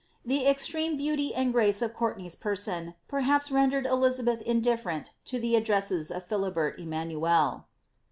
The extreme beauty and grace of Courtenay's per son, perha{>s rendered Elizabeth indifferent to the addresses of Philibert Emanuel.